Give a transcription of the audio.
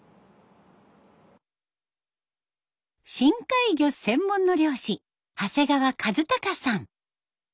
深海魚専門の漁師長谷川一孝さん。